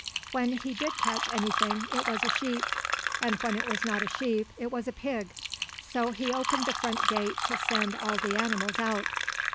When he did catch anything it was a sheep; and when it was not a sheep it was a pig. So he opened the front gate to send all the animals out.